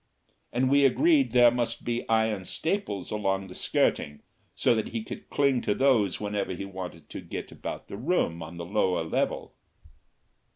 And we agreed there must be iron staples along the skirting, so that he could cling to those whenever he wanted to get about the room on the lower level.